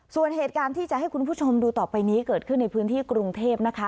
ส่วนเหตุการณ์ที่จะให้คุณผู้ชมดูต่อไปนี้เกิดขึ้นในพื้นที่กรุงเทพนะคะ